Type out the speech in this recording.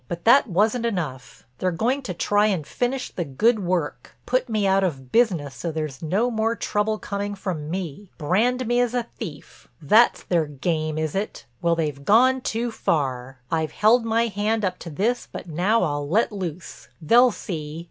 But that wasn't enough—they're going to try and finish the good work—put me out of business so there's no more trouble coming from me. Brand me as a thief—that's their game, is it? Well—they've gone too far. I've held my hand up to this but now I'll let loose. They'll see!